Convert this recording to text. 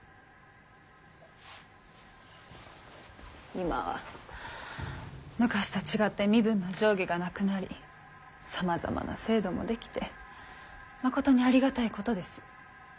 今は昔と違って身分の上下がなくなりさまざまな制度も出来てまことにありがたいことです。